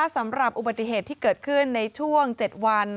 สำหรับอุบัติเหตุที่เกิดขึ้นในช่วง๗วัน